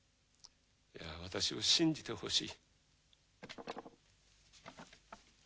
いやぁ私を信じてほしい。